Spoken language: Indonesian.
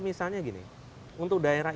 misalnya gini untuk daerah